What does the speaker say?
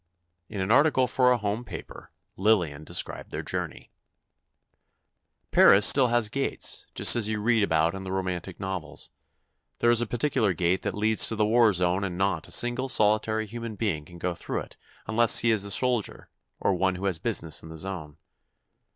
In an article for a home paper, Lillian described their journey: Paris still has gates, just as you read about in the romantic novels. There is a particular gate that leads to the war zone and not a single, solitary human being can go through it unless he is a soldier, or one who has business in the zone.